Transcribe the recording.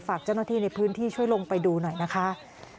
ฝากเจ้าหน้าที่ในพื้นที่ช่วยลงไปดูหน่อยนะคะ